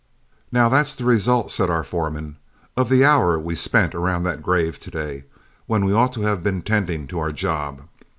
"Now that's the result," said our foreman, "of the hour we spent around that grave to day, when we ought to have been tending to our job.